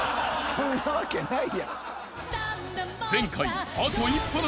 そんなわけない。